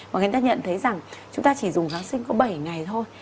và người ta nhận thấy rằng chúng ta chỉ dùng kháng sinh có bảy ngày thôi